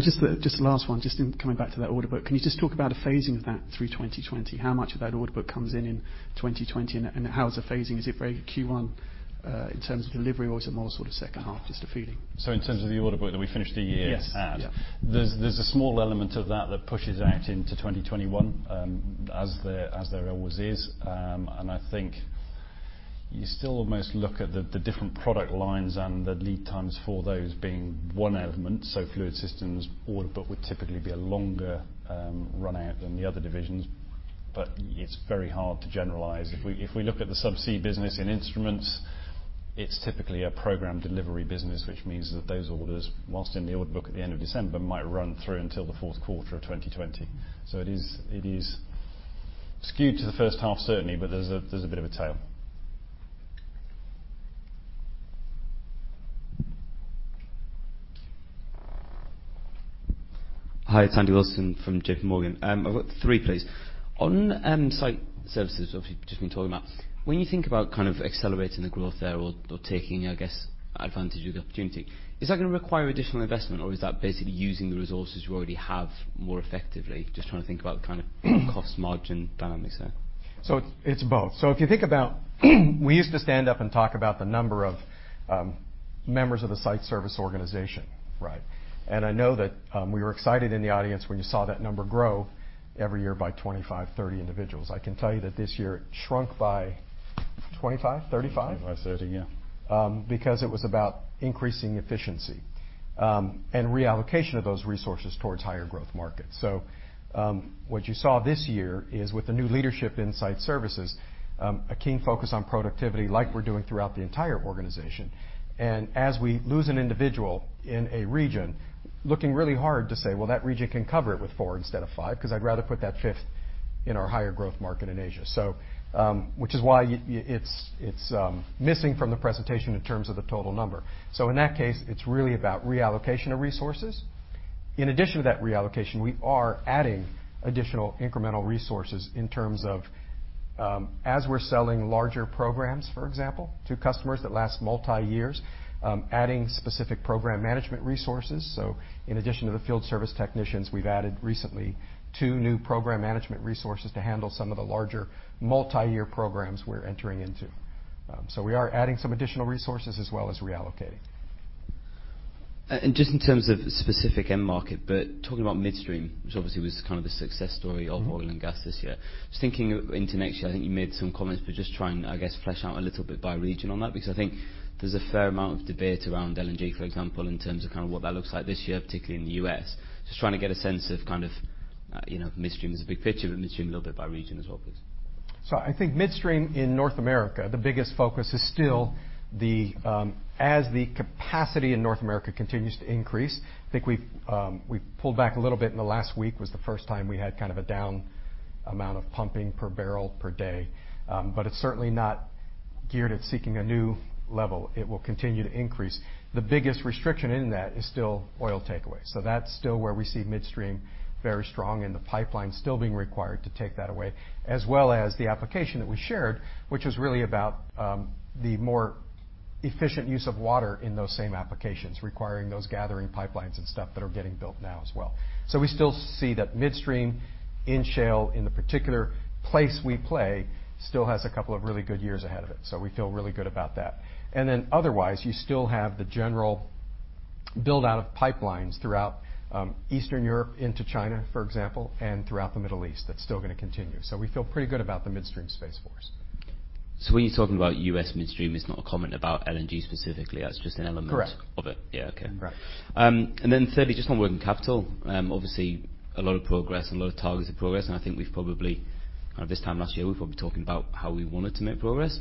Just last one, just in coming back to that order book, can you just talk about a phasing of that through 2020? How much of that order book comes in in 2020, and how is the phasing? Is it very Q1, in terms of delivery, or is it more second half? Just a feeling. In terms of the order book that we finished the year at. Yes. Yeah There's a small element of that that pushes out into 2021, as there always is. I think you still almost look at the different product lines and the lead times for those being one element, Fluid Systems order book would typically be a longer runout than the other divisions, but it's very hard to generalize. If we look at the subsea business in Instruments, it's typically a program delivery business, which means that those orders, whilst in the order book at the end of December, might run through until the fourth quarter of 2020. It is skewed to the first half, certainly, but there's a bit of a tail. Hi, it's Andy Wilson from JPMorgan. I've got three, please. On Site Services, obviously, just been talking about, when you think about accelerating the growth there or taking advantage of the opportunity, is that going to require additional investment, or is that basically using the resources you already have more effectively? Just trying to think about the cost margin dynamics there. It's both. If you think about, we used to stand up and talk about the number of members of the site service organization, right? I know that we were excited in the audience when you saw that number grow every year by 25, 30 individuals. I can tell you that this year it shrunk by 25, 35? 25, 30, yeah. Because it was about increasing efficiency, and reallocation of those resources towards higher growth markets. What you saw this year is with the new leadership in Rotork Site Services, a keen focus on productivity like we're doing throughout the entire organization. As we lose an individual in a region, looking really hard to say, "Well, that region can cover it with four instead of five, because I'd rather put that fifth in our higher growth market in Asia." Which is why it's missing from the presentation in terms of the total number. In that case, it's really about reallocation of resources. In addition to that reallocation, we are adding additional incremental resources in terms of, as we're selling larger programs, for example, to customers that last multi years, adding specific program management resources. In addition to the field service technicians, we've added recently two new program management resources to handle some of the larger multi-year programs we're entering into. We are adding some additional resources as well as reallocating. Just in terms of specific end market, but talking about midstream, which obviously was the success story of Oil & Gas this year. Just thinking into next year, I think you made some comments, but just trying, I guess, flesh out a little bit by region on that, because I think there's a fair amount of debate around LNG, for example, in terms of kind of what that looks like this year, particularly in the U.S. Just trying to get a sense of midstream as a big picture, but midstream a little bit by region as well, please. I think midstream in North America, the biggest focus is still as the capacity in North America continues to increase. I think we've pulled back a little bit in the last week, was the first time we had a down amount of pumping per barrel per day. It's certainly not geared at seeking a new level. It will continue to increase. The biggest restriction in that is still oil takeaway. That's still where we see midstream very strong in the pipeline still being required to take that away, as well as the application that we shared, which was really about the more efficient use of water in those same applications, requiring those gathering pipelines and stuff that are getting built now as well. We still see that midstream in shale, in the particular place we play, still has a couple of really good years ahead of it. We feel really good about that. Otherwise, you still have the general build-out of pipelines throughout Eastern Europe into China, for example, and throughout the Middle East. That's still going to continue. We feel pretty good about the midstream space for us. When you're talking about U.S. midstream, it's not a comment about LNG specifically. That's just an element. Correct of it. Yeah. Okay. Correct. Thirdly, just on working capital, obviously a lot of progress and a lot of targets of progress. I think this time last year, we've probably been talking about how we wanted to make progress.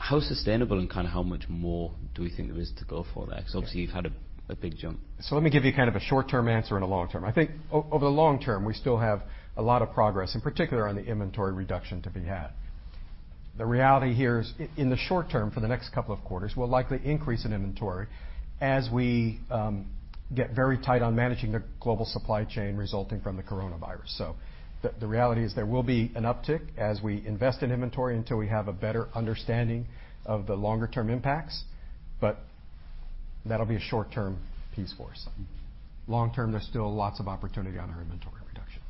How sustainable and how much more do we think there is to go for there? Obviously you've had a big jump. Let me give you a short-term answer and a long-term. I think over the long term, we still have a lot of progress, in particular on the inventory reduction to be had. The reality here is in the short term, for the next couple of quarters, we'll likely increase in inventory as we get very tight on managing the global supply chain resulting from the coronavirus. The reality is there will be an uptick as we invest in inventory until we have a better understanding of the longer-term impacts, but that'll be a short-term piece for us. Long term, there's still lots of opportunity on our inventory reduction.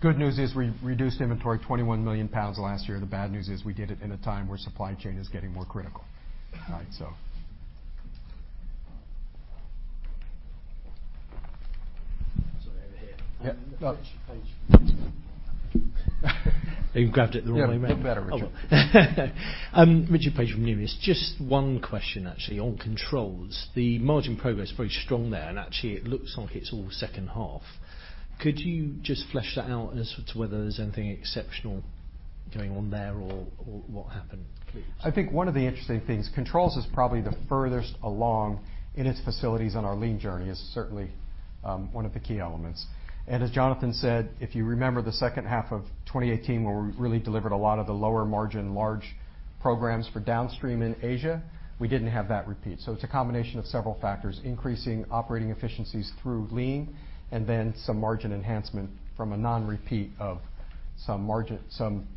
Good news is we reduced inventory 21 million pounds last year. The bad news is we did it in a time where supply chain is getting more critical. Right. So. Sorry, over here. Yeah. Richard Paige from Numis. Think you grabbed it the wrong way around. Yeah, think I better, Richard. Okay. Richard Paige from Numis. Just one question, actually, on Controls. The margin progress is very strong there, and actually it looks like it's all second half. Could you just flesh that out as to whether there's anything exceptional going on there or what happened, please? I think one of the interesting things, Rotork Controls is probably the furthest along in its facilities on our Rotork Lean Programme is certainly one of the key elements. As Jonathan said, if you remember the second half of 2018 where we really delivered a lot of the lower margin large programs for downstream in Asia, we didn't have that repeat. It's a combination of several factors, increasing operating efficiencies through lean and then some margin enhancement from a non-repeat of some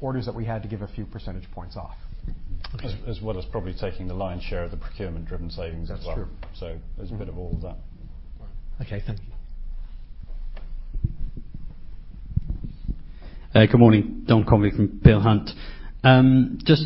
orders that we had to give a few percentage points off. Okay. As well as probably taking the lion's share of the procurement-driven savings as well. That's true. There's a bit of all of that. Right. Okay. Thank you. Hey, good morning. Dom Convey from Peel Hunt. Just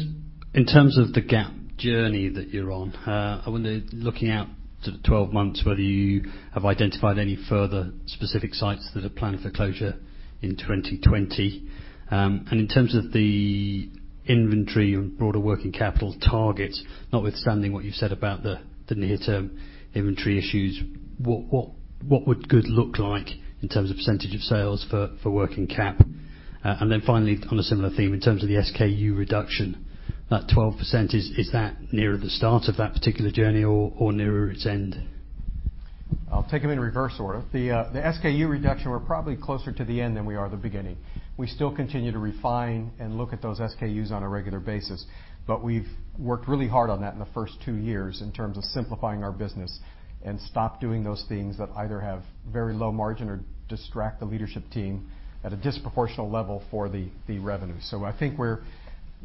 in terms of the gap analysis that you're on, I wonder, looking out to the 12 months, whether you have identified any further specific sites that are planned for closure in 2020. In terms of the inventory and broader working capital targets, notwithstanding what you've said about the near-term inventory issues, what would good look like in terms of percentage of sales for working cap? Finally, on a similar theme, in terms of the SKU reduction, that 12%, is that nearer the start of that particular journey or nearer its end? I'll take them in reverse order. The SKU reduction, we're probably closer to the end than we are the beginning. We still continue to refine and look at those SKUs on a regular basis. We've worked really hard on that in the first two years in terms of simplifying our business and stop doing those things that either have very low margin or distract the leadership team at a disproportional level for the revenue. I think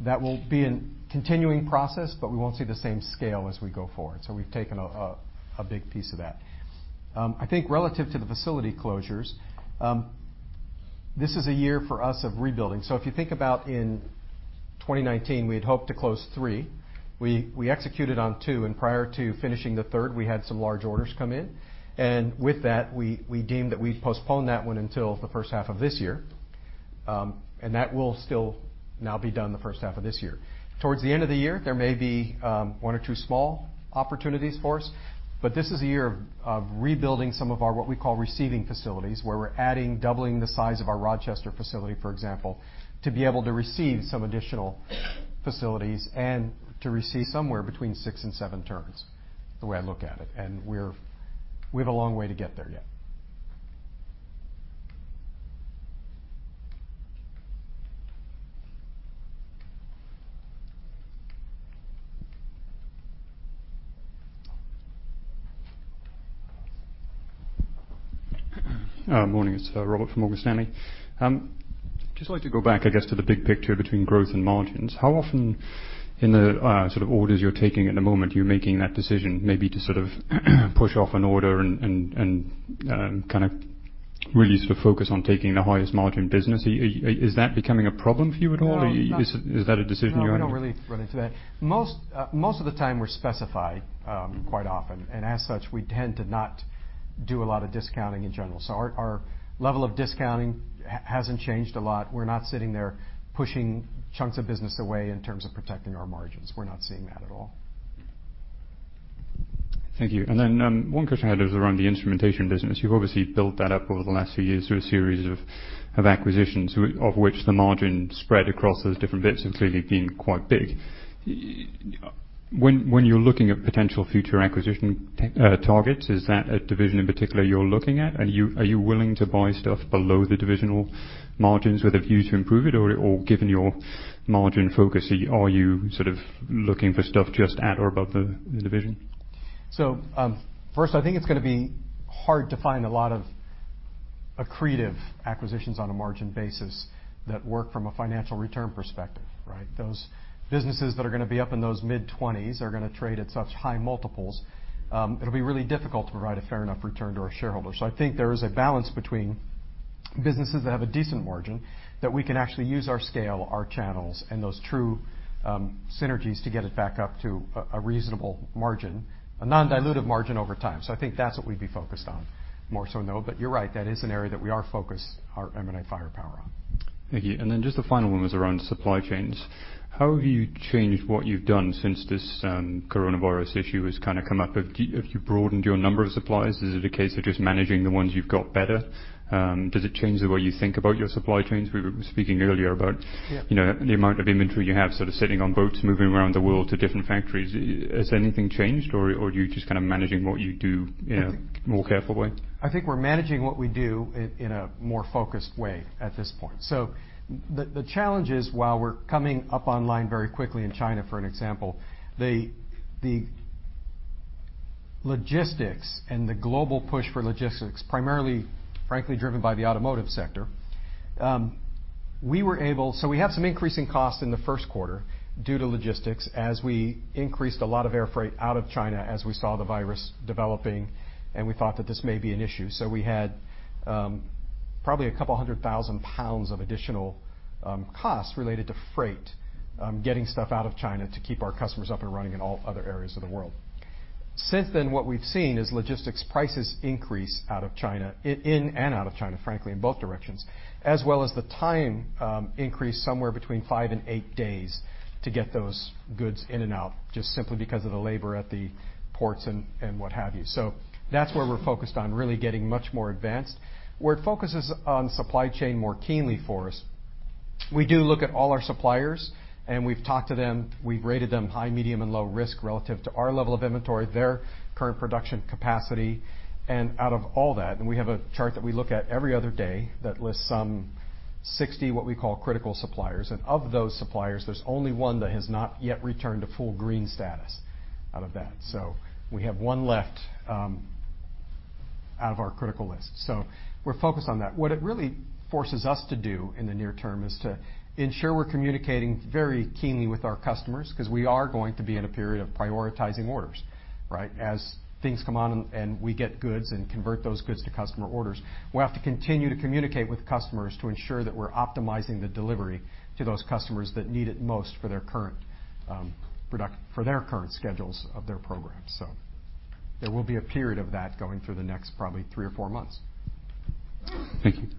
that will be a continuing process, but we won't see the same scale as we go forward. We've taken a big piece of that. I think relative to the facility closures, this is a year for us of rebuilding. If you think about in 2019, we had hoped to close three. We executed on two, and prior to finishing the third, we had some large orders come in. With that, we deemed that we postpone that one until the first half of this year. That will still now be done in the first half of this year. Towards the end of the year, there may be one or two small opportunities for us, but this is a year of rebuilding some of our what we call receiving facilities, where we're adding, doubling the size of our Rochester facility, for example, to be able to receive some additional facilities and to receive somewhere between six and seven turns, the way I look at it. We have a long way to get there yet. Morning. It's Robert from Morgan Stanley. Just like to go back, I guess, to the big picture between growth and margins. How often in the sort of orders you're taking at the moment, you're making that decision, maybe to sort of push off an order and really sort of focus on taking the highest margin business. Is that becoming a problem for you at all? No. Is that a decision? No, we don't really run into that. Most of the time, we're specified, quite often. As such, we tend to not do a lot of discounting in general. Our level of discounting hasn't changed a lot. We're not sitting there pushing chunks of business away in terms of protecting our margins. We're not seeing that at all. Thank you. One question I had was around the instrumentation business. You've obviously built that up over the last few years through a series of acquisitions, of which the margin spread across those different bits have clearly been quite big. When you're looking at potential future acquisition targets, is that a division in particular you're looking at? Are you willing to buy stuff below the divisional margins with a view to improve it? Given your margin focus, are you sort of looking for stuff just at or above the division? First, I think it's going to be hard to find a lot of accretive acquisitions on a margin basis that work from a financial return perspective, right? Those businesses that are going to be up in those mid-20s are going to trade at such high multiples. It'll be really difficult to provide a fair enough return to our shareholders. I think there is a balance between businesses that have a decent margin that we can actually use our scale, our channels, and those true synergies to get it back up to a reasonable margin, a non-dilutive margin over time. I think that's what we'd be focused on more so know. You're right, that is an area that we are focused our M&A firepower on. Thank you. Just the final one was around supply chains. How have you changed what you've done since this coronavirus issue has kind of come up? Have you broadened your number of suppliers? Is it a case of just managing the ones you've got better? Does it change the way you think about your supply chains? Yeah the amount of inventory you have sort of sitting on boats, moving around the world to different factories. Has anything changed, or are you just kind of managing what you do in a more careful way? I think we're managing what we do in a more focused way at this point. The challenge is, while we're coming up online very quickly in China, for an example, the logistics and the global push for logistics, primarily, frankly, driven by the automotive sector. We have some increasing costs in the first quarter due to logistics as we increased a lot of air freight out of China as we saw the virus developing, and we thought that this may be an issue. We had probably a couple of hundred thousand pounds of additional costs related to freight, getting stuff out of China to keep our customers up and running in all other areas of the world. What we've seen is logistics prices increase out of China, in and out of China, frankly, in both directions, as well as the time increase somewhere between five and eight days to get those goods in and out, just simply because of the labor at the ports and what have you. That's where we're focused on really getting much more advanced, where it focuses on supply chain more keenly for us. We do look at all our suppliers, we've talked to them. We've rated them high, medium, and low risk relative to our level of inventory, their current production capacity. Out of all that, and we have a chart that we look at every other day that lists some 60, what we call critical suppliers. Of those suppliers, there's only one that has not yet returned to full green status out of that. We have one left out of our critical list. We're focused on that. What it really forces us to do in the near term is to ensure we're communicating very keenly with our customers, because we are going to be in a period of prioritizing orders, right? As things come on and we get goods and convert those goods to customer orders, we have to continue to communicate with customers to ensure that we're optimizing the delivery to those customers that need it most for their current schedules of their programs. There will be a period of that going through the next probably three or four months. Thank you.